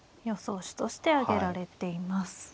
予想手として挙げられています。